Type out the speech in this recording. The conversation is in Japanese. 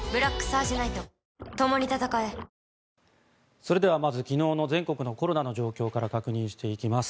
それではまず昨日の全国のコロナの状況から確認していきます。